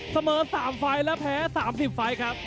เสมอ๓ไฟล์และแพ้๓๐ไฟล์ครับ